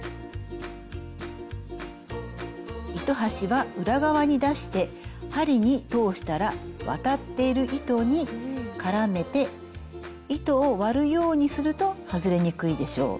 糸端は裏側に出して針に通したら渡っている糸に絡めて糸を割るようにすると外れにくいでしょう。